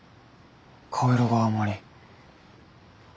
顔色があんまり。